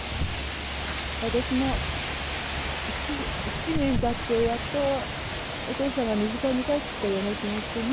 私も７年たって、やっとお父さんが身近に帰ってきたような気がしてね。